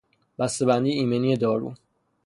بسته بندی ایمنی دارو